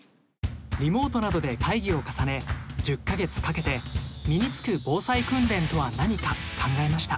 リモートなどで会議を重ね１０か月かけて身に付く防災訓練とは何か考えました。